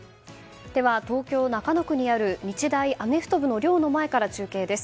では、東京・中野区にある日大アメフト部の寮の前から中継です。